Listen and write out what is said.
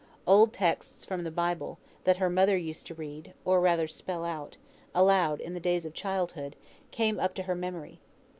Old texts from the Bible that her mother used to read (or rather spell out) aloud, in the days of childhood, came up to her memory.